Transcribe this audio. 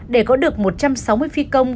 để có được một trăm sáu mươi phi công